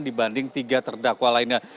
dibanding tiga terdakwa lainnya